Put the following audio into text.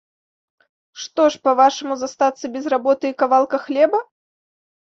Што ж, па-вашаму, застацца без работы і кавалка хлеба?